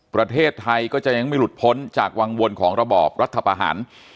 ประเทศไทยก็จะยังไม่หลุดพ้นจากวังวนของระบอบรัฐธรรมนุนฉบับใหม่